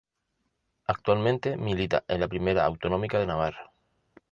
Actualmente milita en la Primera Autonómica de Navarra.